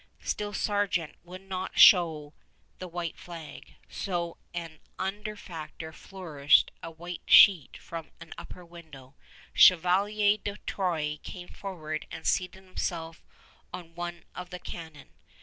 Still Sargeant would not show the white flag; so an underfactor flourished a white sheet from an upper window. Chevalier De Troyes came forward and seated himself on one of the cannon.